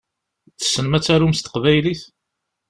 Tessnem ad tarum s teqbaylit?